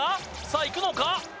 さあいくのか？